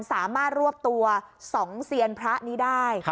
สามารถรวบตัวสองเซียนพระนี้ได้